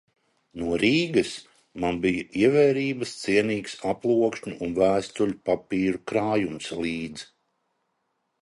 No Rīgas man bija ievērības cienīgs aplokšņu un vēstuļu papīru krājums līdz.